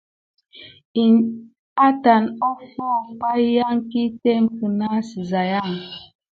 Atane offó pay yanki temé kina sisayan.